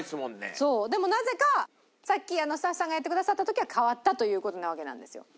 そうでもなぜかさっきスタッフさんがやってくださった時は変わったという事なわけなんですよ。